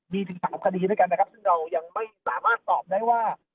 มีถึง๓คดีด้วยกันนะครับซึ่งเรายังไม่สามารถตอบได้ว่า